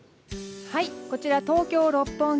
こちら東京・六本木。